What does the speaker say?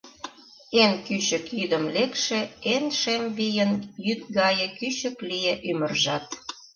Эн кӱчык йӱдым лекше Эн шем вийын Йӱд гае кӱчык лие Ӱмыржат!